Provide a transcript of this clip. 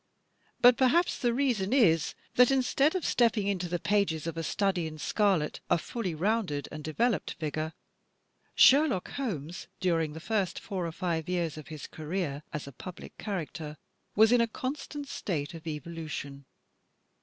But perhaps the reason is that instead of stepping into the pages of "A Study in Scarlet" a fully rounded and developed figure, Sherlock Holmes, during the first four or five years of his career as a public character, was in a constant state of evolution.